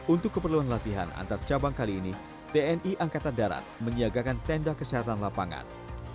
untuk keperluan latihan antar cabang kali ini tni angkatan darat menyiagakan tenda kesehatan lapangan